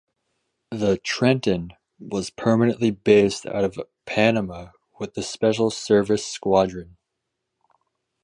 The "Trenton" was permanently based out of Panama with the Special Service Squadron.